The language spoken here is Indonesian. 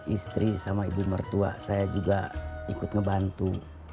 istri sama ibu mertua saya juga ikut ngebantu